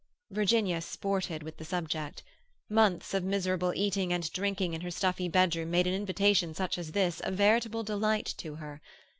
Virginia sported with the subject. Months of miserable eating and drinking in her stuffy bedroom made an invitation such as this a veritable delight to her.